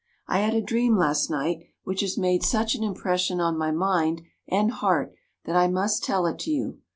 "I had a dream last night, which has made such an impression on my mind and heart that I must tell it to you.